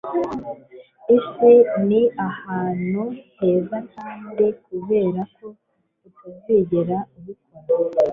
isi ni ahantu hezakandi kubera ko utazigera ubikora